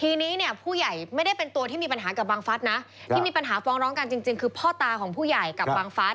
ทีนี้เนี่ยผู้ใหญ่ไม่ได้เป็นตัวที่มีปัญหากับบังฟัสนะที่มีปัญหาฟ้องร้องกันจริงคือพ่อตาของผู้ใหญ่กับบังฟัส